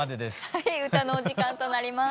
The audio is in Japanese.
はい歌のお時間となります。